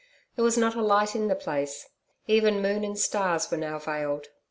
There was not a light in the place. Even moon and stars were now veiled.